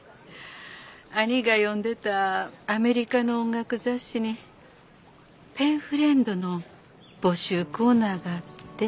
兄が読んでたアメリカの音楽雑誌にペンフレンドの募集コーナーがあって。